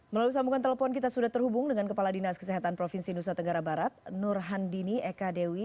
melalui sambungan telepon kita sudah terhubung dengan kepala dinas kesehatan provinsi nusa tenggara barat nurhandini eka dewi